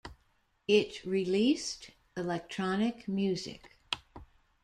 It released electronic music.